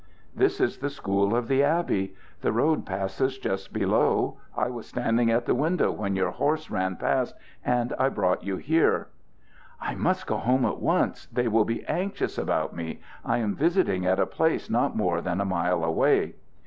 "This is the school of the abbey. The road passes just below. I was standing at the window when your horse ran past, and I brought you here." "I must go home at once. They will be anxious about me. I am visiting at a place not more than a mile away."